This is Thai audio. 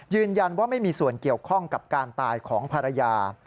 ยืนยันว่าไม่มีส่วนเกี่ยวข้องกับการตายของภรรยา